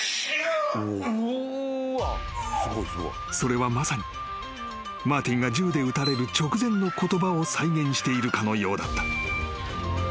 ［それはまさにマーティンが銃で撃たれる直前の言葉を再現しているかのようだった］